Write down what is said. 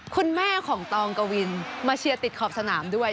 คุณแม่ของตองกวินมาเชียร์ติดขอบสนามด้วย